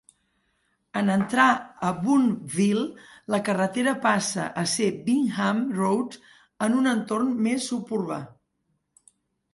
En entrar a Boonville, la carretera passa a ser Bingham Road, en un entorn més suburbà.